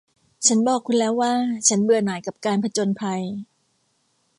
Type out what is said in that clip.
ฉันบอกคุณแล้วว่าฉันเบื่อหน่ายกับการผจญภัย